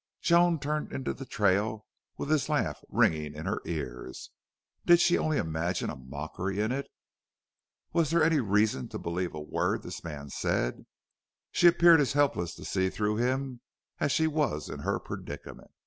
Joan turned into the trail with his laugh ringing in her ears. Did she only imagine a mockery in it? Was there any reason to believe a word this man said? She appeared as helpless to see through him as she was in her predicament.